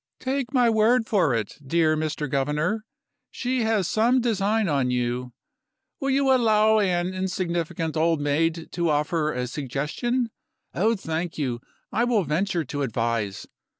"Take my word for it, dear Mr. Governor, she has some design on you. Will you allow an insignificant old maid to offer a suggestion? Oh, thank you; I will venture to advise.